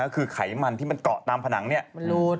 คือไขมันที่มันก็ตามผนังลุด